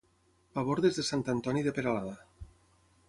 Pabordes de Sant Antoni de Peralada.